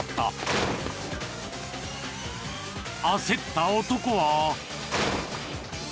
［焦った男は］